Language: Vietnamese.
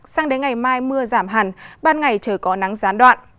sang đến ngày mai mưa giảm hẳn ban ngày trời có nắng gián đoạn